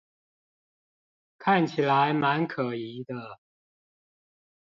看起來滿可疑的